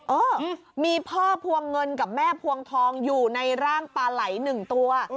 เออมีพ่อพวงเงินกับแม่พวงทองอยู่ในร่างปลาไหล๑ตัว